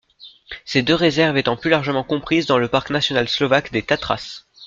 Ces deux réserves étant plus largement comprises dans le parc national slovaque des Tatras.